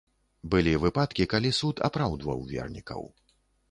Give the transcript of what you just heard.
Былі выпадкі, калі суд апраўдваў вернікаў.